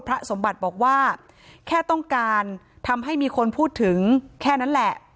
สมบัติบอกว่าแค่ต้องการทำให้มีคนพูดถึงแค่นั้นแหละ